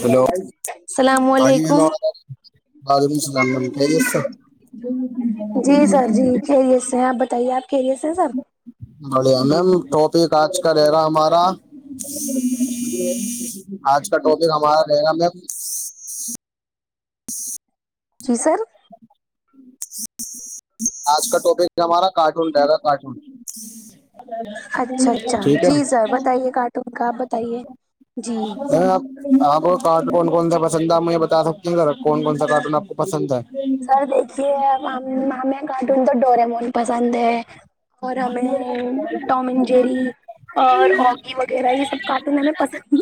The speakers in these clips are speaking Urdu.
ہلو السلام ہاں جی علیکم وعلیکم السلام خیریت سے جی سر جی خیریت سے ہے آپ بتائیے آپ [unintelligible] بڑھیا میم ٹوپک آج کا رہے گا ہمارا آج کا ٹاپک ہمارا رہے گا میم [inaudible] جی سر جی آج کا ٹاپک ہے ہمارا کارٹون رہ رہا کارٹون اچھا اچھا ٹھیک ہے جی سر بتائیے کارٹون کا آپ بتائیے [inaudible] جی آپ کو کارٹون کون کون سا پسند آپ مجھے بتا سکتے ہیں ر کون کون سا کارٹون آپ کو پسند ہے سر دیکھیے ہمیں کارٹون تو ڈور یمون پسند ہے اور ہمیں ٹام این جیری اور اوگی وغیرہ یہ سب کارٹون ہمیں پسند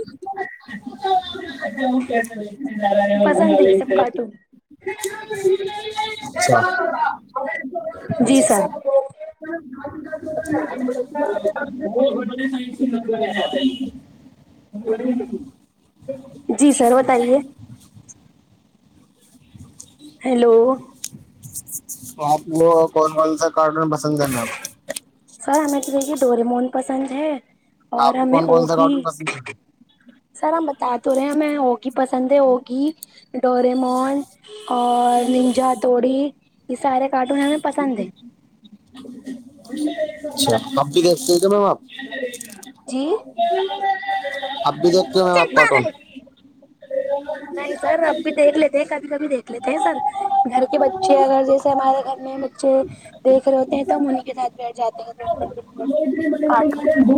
پسند ہے یہ سب [unintelligible] کارٹون السلام جی سر [inaudible] [unintelligible] [inaudible] جی سر بتائیے ہیلو تو آپ نے کون کون سا کارٹون پسند کرنا سر ہمیں تو دیکھیے ڈوریمون پسند ہے اور آپ کو ہمیں کون کون سا اوگی کارٹون پسند سر ہم بتا تو رہے ہیں ہمیں اوگی پسند ہے اوگی ڈورمون اور ننجا ہتھوڑی یہ سارے کارٹون ہمیں پسند ہیں اچھا اوگی دیکھ رہے ہو اپ جی اب بھی دیکھتے ہیں چل آپ کاٹون پاگل، نہیں سر اب بھی دیکھ لیتے ہیں کبھی کبھی دیکھ لیتے ہیں سر گھر کے بچے اگر جیسے ہمارے گھر میں بچے دیکھ رہے ہوتے ہیں تو ہم انہیں کے ساتھ بیٹھ جاتے ہیں دیکھنے کے [inaudible] لیے کارٹون اچھاجو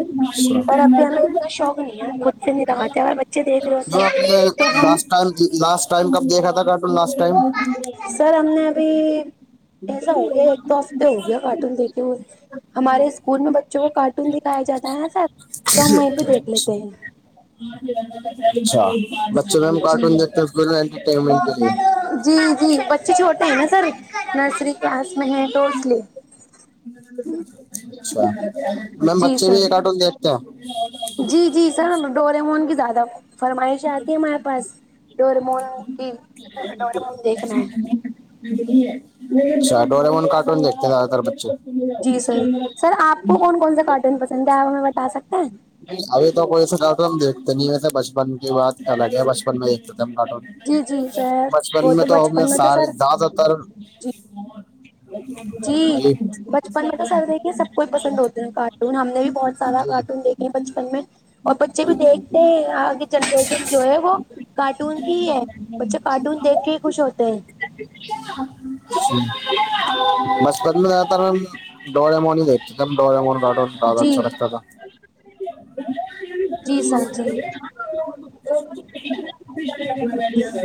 پر ابھی ہمیں اتنا شوق نہیں ہے ہم خود سے نہیں لگاتے اگر بچے دیکھ رہے ہوتے آپ نے ہیں تو ہم لاسٹ لاسٹ ٹائم کب دیکھا تھا کاٹون لاسٹ ٹائم سر ہم نے ابھی ایسا ہوگیا ایک دو ہفتے تو ہو گیا کارٹون دیکھے ہوئے ہمارے اسکول میں بچوں کو کارٹون دکھایا جاتا ہے نا سر تو وہیں پہ دیکھ لیتے ہیں اچھا بچے میم کارٹون جی دیکھتے انٹرٹینمنٹ کے لیے جی جی بچے چھوٹے ہیں نا سر نرسری کلاس میں ہے تو اس لیے اچھا میم جی بچے بھی سر یہ کارٹون دیکھتے ہیں جی جی سر ڈوریمون کی زیادہ فرمائش آتی ہے ہمارے پاس ڈوریمون کی [inaudible] ڈوریمون دیکھنا ہے اچھا ڈوریمون کا ٹون دیکھتے ہیں زیادہ تر بچے- جی سر سر آپ کو کون کون سے کاٹون پسند ہے آپ ہمیں بتا سکتے ہیں- ابھی تو کوئی سے کاٹون ہم دیکھتے نہیں ویسے بچپن کی بات الگ ہے بچپن میں دیکھتے کاٹون- [unintelligible] بچپن وہ میں تو ہم نے بچپن میں سارے سر زیادہ تر- جی جی، بچپن میں تو سر دیکھیں سب کو ہی پسند ہوتے ہیں کارٹون ہم نے بھی بہت سارا جی کارٹون دی- بچپن میں اور بچے بھی دیکھتے ہیں آگے جنریشن جو ہے وہ کارٹون کی ہے- بچے کارٹون دیکھ کے ہی خوش ہوتے ہیں- [unintelligible] بچپن میں جدا تر ہم دوریموں ہی ڈاکہ تی تھا - ایک دم ڈوریمون کاٹون زیادہ اچھا جی لگتا تھا- جی سر جی-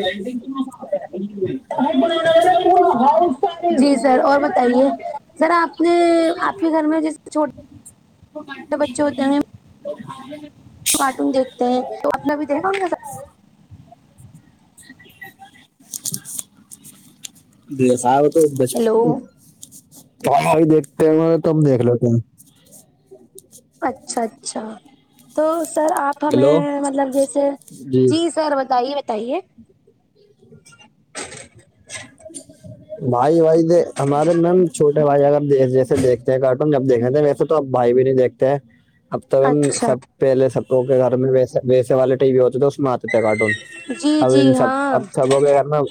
[inaudible] جی سر، اور بتائیے سر آپ نے آپ کے گھر میں جیسے چھوٹے بچے ہوتے ہیں- [inaudible] کارٹون دیکھتے ہیں تو اپ نے بھی دیکھا- ساتھ ہیلو [unintelligible] ائی دیکھتے ہیں ت ہم دیکھ لیتے ہیں- اچھا- اچھا تو سر آپ آپ ہیلو ہمیں مطلب جیسے جی سر بتائیے بتائیے- [inaudible] بھائی بھائی ہمارے میم چھوٹے بھائی اگر جیسے دیکھتے ہیں کارٹون جب دیکھنے تھے ویسے- تو آب بھائی بھی نہیں دیکتے ہیں بھائی اب تو اچھا سب پہلے سب کو کے گھر میں ویسے ویسے والے ٹی بھیی ہوتے تھے اس میں آتے تھے کارٹون- جی اب جی ان سب ہاں اب سب ہوگ کرنا-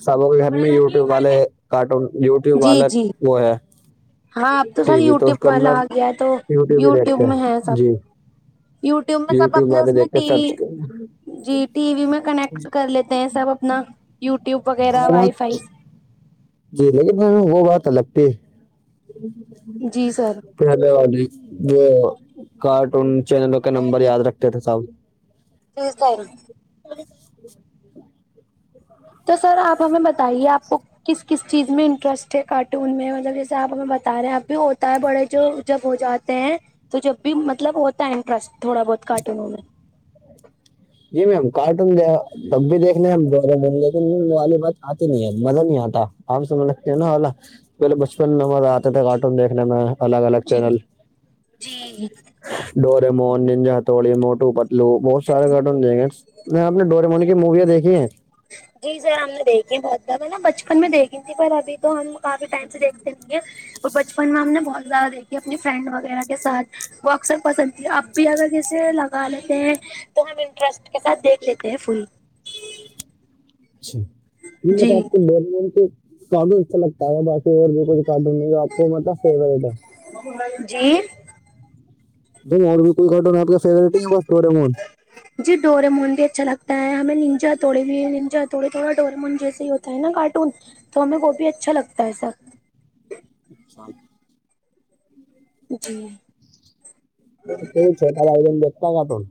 سب کے گھر میں یوٹیوب والے کارٹون یوٹیوب جی والا جی وہ ہے- ہاں تو سر ٹی وی اس یوٹیوب کے پر اندر اگیا ہے تو ہی یوٹیوب دیکھتے میں ہے ہیں سب جی - یوٹیوب میں سب اپنے اس والے میں دیکھ کے ٹی سرچ وی- جی ٹی وی میں کنیکٹ کر لیتے ہیں سب اپنا یوٹیوب وغیرہ وائی بہت فائی- جی لیکن وہ بات الگ پہ- جی سر پہلے وال جو کارٹون چینلوں کا نمبر یاد رکھتے تھے ساؤ- جی ساری- تو سر آپ ہمیں بتائیے آپ کو- کس کس چیز میں انٹرسٹ ہے کارٹون میں مطلب جیسے آپ ہمیں بتا رہے ہیں اب بھی ہوتا ہے بڑے جو- جب ہو جاتے ہیں تو جب بھی مطلب ہوتا ہے انٹرسٹ تھوڑا بہت کارٹونوں میں- جی میم کارٹون د تب بھی دیکھ ل گ لیکن والی بات آتی نہیں ہے مزہ نہیں آتا- آام سمجنے لگتے ہیں نا االا پہلے بچپن میں مزہ آتا تھاے کارٹون دیکھنے میں- الگ- الگ جی چینل, جی Doraemon, ninja, Hattori- Motu, Patlu بہت سارا گ- دیں گے میں آپ نے ڈورمونی کی موویاں دیکھی ہیں جی سر ہم نے دیکھی بہت زیادہ نا بچپن میں دیکھی تھی پر ابھی تو ہم کافی ٹائم سے دیکھتے نہیں ہیں- اور بچپن میں ہم نے بہت زیادہ دیکھی اپنی فرینڈ وغیرہ کے ساتھ- وہ اکثر پسند ت اب بھی اگر کسے لگا لیتے ہیں- تو ہم انٹرسٹ کے ساتھ دیکھ لیتے ہیں فل- اچھا ٹھ بس جی آپ کو ب کے کڈو اچھا لگتا ہے بقی اور بھی کچھ کٹ نہیں آپ مطلب فیوریٹ ہے جی دم اور بھی کوئی گھٹنا آپ کا فیوریٹ ہے بس تھوڑے مون جی ڈورمون بھی اچھا لگتا ہے ہمیں ننجا تووڑے بھی ننجا توڑے تھوڑا ڈوریمون جیسے ہی ہوتا ہے نا کارٹون تو ہمیں وہ بھی اچھا لگتا ہے سر- سال جی پ چوٹا ایک دم دیکتا گ توون-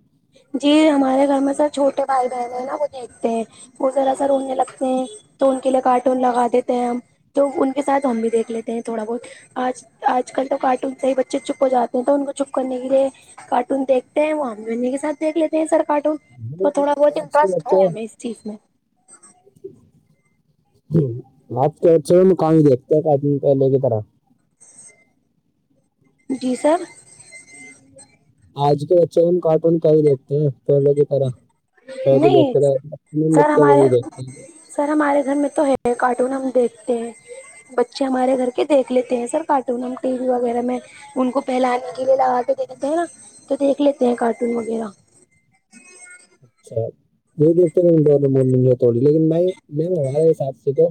جی ہمارے گھر میں سر چھوٹے بھائی بہن ہیں نا وہ دیکھتے ہیں- وہ ذرا سا رونے لگتے ہیں تو ان کے لیے کارٹون لگا دیتے ہیں ہم تو ان کے ساتھ ہم بھی دیکھ لیتے ہیں تھوڑا بہت آج آج کل تو کارٹون سے ہی بچے چپ ہو جاتے ہیں تو ان کو چپ کرنے کے لیے کارٹون دیکھتے ہیں وہ ہممی امی کے ساتھ دیکھ لیتے ہیں سر کارٹون تو تھوڑا بہت آج کے انٹرسٹ ہے ہمیں چیف میں آپ کے اچ میں کام دیکھتا ہے کہ پہلے کی طرح جی سر آج کے بچے ہم ہم کارٹون کا ہی دیکھتے ہیں پلوں کی طرح تو بی نہیں کرر سر ہمارے سر ہمارے گھر میں تو ہے کارٹون ہم دیکھتے ہیں بچے ہمارے گھر کے دیکھ لیتے ہیں سر کارٹون ہم ٹی وی وغیرہ میں ان کو پھیلانے کے لیے لگا کے دیکھتے ہیں نا تو دیکھ لیتے ہیں کارٹون وغیرہ اچھا وہ دیکھتےور مگ ہے تھوڑی لیکن میں میم ہمارے حساب سے تو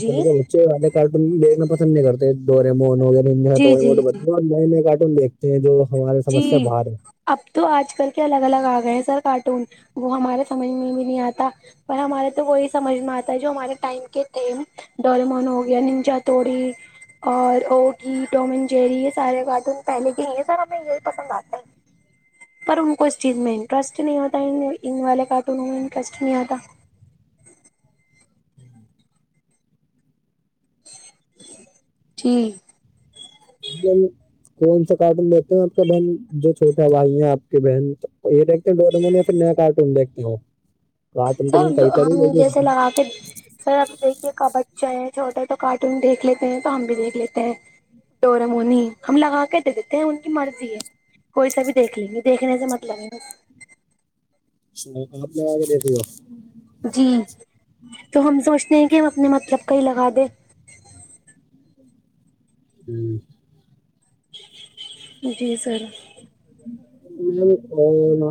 جی بچے والے کارٹون دیکھنا پسند نہیں کرتے ڈورمون وو جی جی ب جی نئے نئے کارٹون دیکھتے ہیں جو ہماراری جی سمسیا باہر ہے اب تو آج کل کے الگ الگ آ گئے ہیں سر کارٹون وہ ہمارے سمجھ میں بھی نہیں آتا پر ہمارا تو وہی سمجھ میں آتا ہے جو ہمارے ٹائم کے تھے ڈالمون ہو گیا ننچا توڑی اور اوگی ٹومن جیری یہ سارے کارٹون پہلے کے ہی یہ سارا ہمیں یہی پسند آتا پر ان کو اس چیز میں انٹرسٹ نہیں ہوتا ان والے کارٹونوں میں انٹرسٹ نہیں ہوتا جٹی اب کون سا کارٹون دیتے ہیں آپ کا بہن جو چھوٹا بھائی ہیں آپ کی بہن یہ ڈ نمیا پھر نیا کارٹون دیکھتی ہ ہو کارٹون تو کہیں تر نہیں لے آاں پھر سر ابھی دیکھیے کا بچہ ہے چھوٹا تو کارٹون دیکھ لیتے ہیں تو ہم بھی دیکھ لیتے ہیں ڈورامونی ہم لگا کے دے دیتے ہیں ان کی مرضی ہے کوئی سا بھی دیکھ لیں گی دیکھنے سے مطلب ہے اچ آپ لگا کے دیتی ہو جی تو ہم سوچتے ہیں کہ ہم اپنے مطلب کہیں لگا دیں ہوں جی سر میم اورنا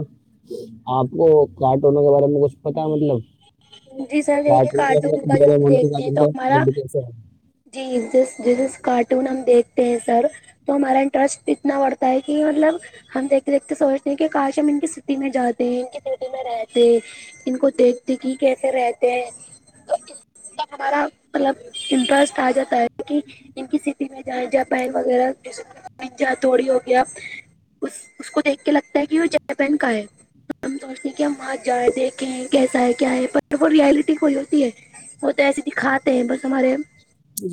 آپ کو کارٹونوں کے بارے میں کچھ پتا مطلب جی سر دیکھیے کٹن کارٹون کا جو میرا ہم من دیکھتے کاٹ ہیں تو ہمارا کاڈسا ہے جی جس جس کارٹون ہم دیکھتے ہیں سر تو ہمارا انٹرسٹ اتنا بڑھتا ہے کہ مطلب ہم دیکھتے دیکھتے سوچتے ہیں کہ کاش ہم ان کی سٹی میں جاتے ہیں ان کی سٹی میں رہتے ان کو دیکھتے کہ کیسے رہتے ہیں تو ہ ہمارا مطلب انمٹرسٹ آ جاتا ہے کہ ان کی سٹی میں جیں جہ پیر وغیرہ جس جا تھوڑی ہو گیا اس اس کو دیکھ کے لگتا ہے کہ وہ جےپین کا ہے ہم سوچتے کہ ہم وہاں جائیں دیکھے ہیں کیسا ہے کیا ہے ب ریالٹی کوئی ہوتی ہے وہ تو ایسے دکھاتے ہیں بس ہمارے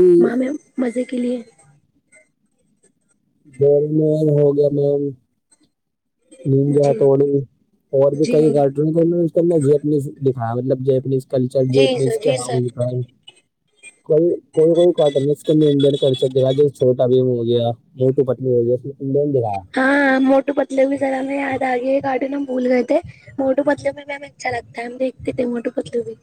جی ماں میں مزے کے لیے گول م ہو گیا میم [inaudible] نم جیا جی تو ہو اور بھی کئی گڈ [inaudible] ج اپنیز دکھایا مطلب ج اپنیز [inaudible] کلچر جی جنے سر اس کے جی سر ہال ہے [inaudible] کوئی کوئی کوئی کاٹن اس کےڈین کرچ دے گا جو چھوٹا بھی ہو گیا [inaudible] یہ تو پتلی ہوئیی اس نےین دکھایا [inaudible] ہاں موٹو پتلے بھی ذرا ہمیں یاد آ گئی ہے گارڈن میں ہم بھول گئے تھے موٹو پتلو میںم اچھا لگتا ہے ہم دیکھتے تھے موٹو پتلو بھی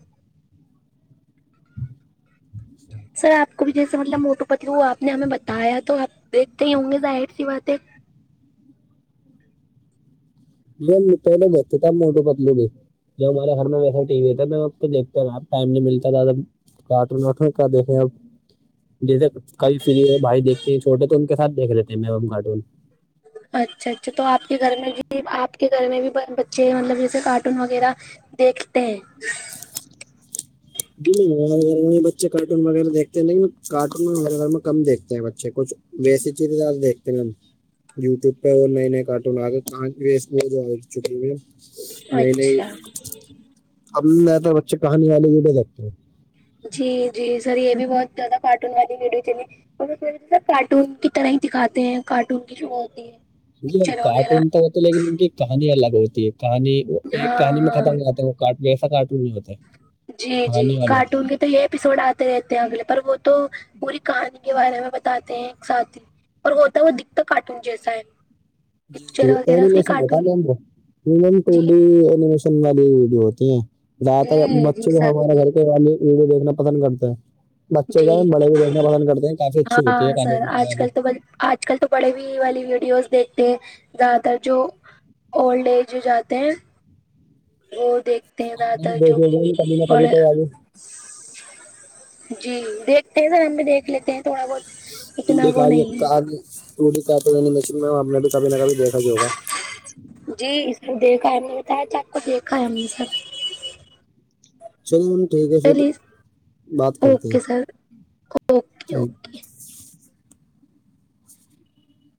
سر آپ کو بھی جیسے مطلب موٹو پتلو ہو آپ نے ہمیں بتایا تو آپ دیکھتے ہی ہوں گے ظاہر سی باتیں جو م پ بتے تھاب موٹو پتل بھی [inaudible] جو ہمارے گھر میں ویسے ٹی وی ہے تھا میں آپ کو دیکھتے نا ٹائم نہیں ملتا تھادب کٹ نٹوں کا دیکیں آپ جیسے کئی فریوں بھائی دیکھتے ہیں چھوٹے تو ان کے ساتھ دیکھ لیتے ہیں مم کارٹون اچھا اچھا تو آپ کے گھر میں بھی آپ کے گھر میں بھی بچے مطلب جیسے کارٹون وغیرہ دیکھتے ہیں جی نہیں بچے کارٹون وغیر دیکھتے ہیں لیکن کارٹون میں ہمیرے گھر میں کم دیکھتے ہیں بچے کچھ [inaudible] وسی چیززار دیکتے ہیںا ہم [inaudible] یوٹیوب پہ اور نئے نئے کارٹون آگاں آ چکے ہو نہیں نہیں اچھا اب میں تو بچے کہانی والے یہڈ دیکتے ہوں جی جی سر یہ بھی بہت زیادہ کارٹون والی ویڈیو چلی اور کارٹون کی طرح ہی دکھاتے ہیں کارٹون کی جو ہوتی ہے جی پکچر وغیرہ کارٹون تو ہوتے لیکن ان کی کہانی الگ ہوتی ہے کہانی وہ ایک ہاں کہانی میں ہاں ختم ہو جاتا ہے کاٹ جسا کاٹ بھی ہوتا ہے جی جی کہانی والا ہوتا کارٹون کے تو یہ اپپیسوڈ آتے رہتے ہیں اگلے پر وہ تو پوری کہانی کے بارے میں بتاتے ہیں ایک ساتھ ہی اور ہوتا ہے ہو دکھتا کارٹون جیسا ہے جی پکچر وغیرہ اس کی جیشن کارٹون ہوشن جی [inaudible] والی ویڈیو ہوتی ہیں زیادہ تر جی بچے جی جو سر ہمارے جی گھر کے والی ویڈیو دیکھنا پسند کرتے ہیں [inaudible] بچے جو جی ہے بڑے بھی دیکھ پسند کرتے ہیں کافی اچھی ہوتی ہے ہاں سر قانوون آج بھی کل [inaudible] تو آج کل تو بڑے بھی والی ویڈیوز دیکھتے ہیں زیادہ تر جو اولڈ ایج جاتے ہیں وہ دیکھتے ہیں آپ زیاد نے بھی تر جو دیکھے ہوئے ہیں کبھی نہ کبھی پڑے تو یار جی دیکھتے ہیں سر ہم بھی دیکھ لیتے ہیں تھوڑا بہت تو اتنا وہ نہیں ہے مش میں ہم نے بھی کبھی نہ کبھی دیکھا ہی ہوگا [inaudible] جی سر دیکھا ہے ہم نے بتایا چ آ کو دیکھا ہے ہم نے سر چلو م ٹھیک ہے پھر چلیے بات کرتے اوکے ہیں سر اوکے ٹھیک اوکے